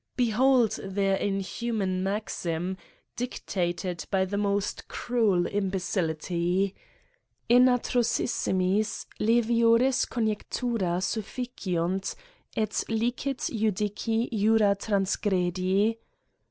Behold their inhuman maxim, dictated by the most cruel imbecility. In atrocissimis, leviores conjectural' siifficiunt. ^ licit judici jura transgredi.